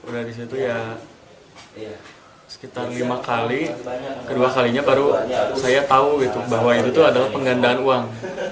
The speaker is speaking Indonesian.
dari situ ya sekitar lima kali kedua kalinya baru saya tahu bahwa itu tuh adalah penggandaan uang